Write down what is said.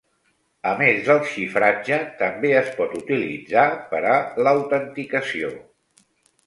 A més del xifratge, també es pot utilitzar per a l'autenticació.